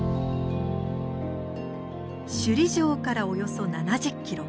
首里城からおよそ７０キロ。